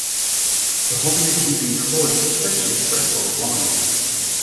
The hobby of keeping koi eventually spread worldwide.